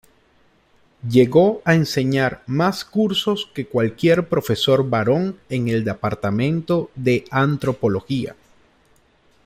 Llegó a enseñar mas cursos que cualquier profesor varón en el departamento de antropología.